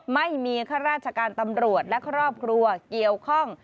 ข้าราชการตำรวจและครอบครัวเกี่ยวข้อง